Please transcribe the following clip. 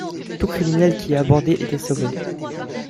Tout criminel qui y abordait était sauvé.